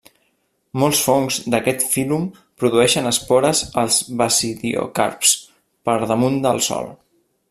Molts fongs d'aquest fílum produeixen espores als basidiocarps, per damunt del sòl.